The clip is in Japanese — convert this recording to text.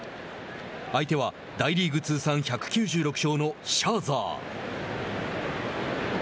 相手は大リーグ通算１９６勝のシャーザー。